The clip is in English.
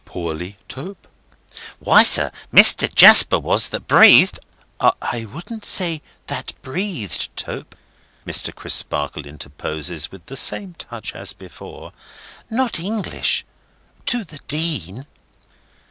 "—Poorly, Tope?" "Why, sir, Mr. Jasper was that breathed—" "I wouldn't say 'That breathed,' Tope," Mr. Crisparkle interposes with the same touch as before. "Not English—to the Dean."